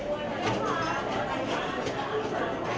โปรดติดตามต่อไป